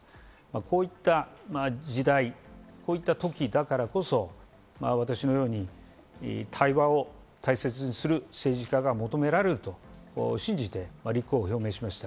こういった時代、こういったときだからこそ、私のように対話を大切にする政治家が求められると信じて立候補を表明しました。